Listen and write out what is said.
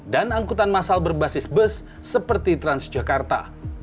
dan angkutan masal berbasis bus seperti transjakarta